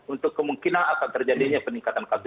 untuk kemungkinan akan terjadinya peningkatan kasus